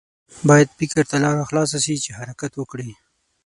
باید فکر ته لاره خلاصه شي چې حرکت وکړي.